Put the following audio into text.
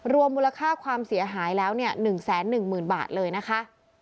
รวมมูลค่าความเสียหายแล้ว๑๑๐๐๐บาทเลยนะคะ